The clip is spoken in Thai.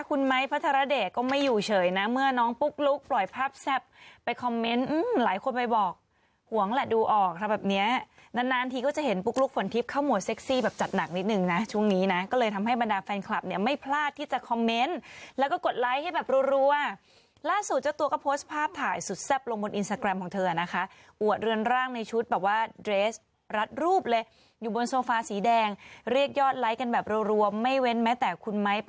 คุณไม้พัฒนาเดกก็ไม่อยู่เฉยนะเมื่อน้องปุ๊กลุ๊กปล่อยภาพแซ่บไปคอมเม้นต์หืมหลายคนไปบอกหวงแหละดูออกครับแบบเนี้ยนานนานทีก็จะเห็นปุ๊กลุ๊กฝนทิพย์เข้าหมวดเซ็กซี่แบบจัดหนักนิดหนึ่งน่ะช่วงนี้น่ะก็เลยทำให้บรรดาแฟนคลับเนี้ยไม่พลาดที่จะคอมเม้นต์แล้วก็กดไลค์ให้แบบรวล